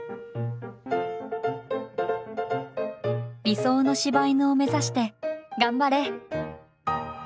理想の柴犬を目指して頑張れ！